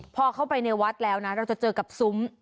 พอเข้าไปในวัดแล้วนะเราจะเจอกับซุ้ม